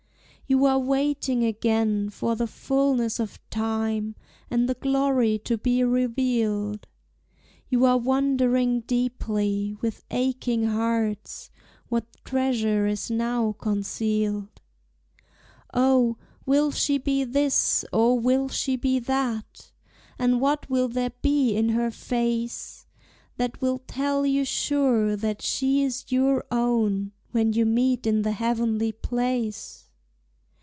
You are waiting again for the fulness of time, And the glory to be revealed; You are wondering deeply with aching hearts What treasure is now concealed. O, will she be this, or will she be that? And what will there be in her face That will tell you sure that she is your own, When you meet in the heavenly place?